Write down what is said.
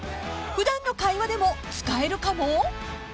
［普段の会話でも使えるかも！？］